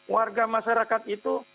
warga masyarakat itu